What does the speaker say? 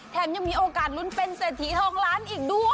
ยังมีโอกาสลุ้นเป็นเศรษฐีทองล้านอีกด้วย